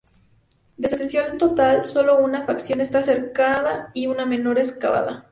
De su extensión total sólo una fracción está cercada y una menor excavada.